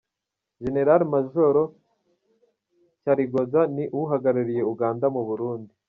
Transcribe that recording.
Jenerali Majoro Kyaligonza ni n’uhagarariye Uganda mu Burundi.